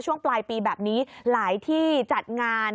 ช่วงปลายปีแบบนี้หลายที่จัดงาน